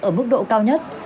ở mức độ cao nhất